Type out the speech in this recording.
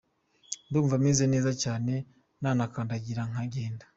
Ndumva meze neza cyane, nanakandagira nkagenda.